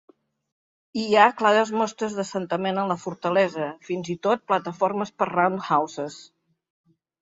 Hi ha clares mostres d'assentament a la fortalesa, fins i tot plataformes per "roundhouses".